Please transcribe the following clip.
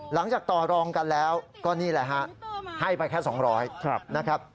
หลังจากต่อรองกันแล้วก็นี่แหละฮะให้ไปแค่๒๐๐บาท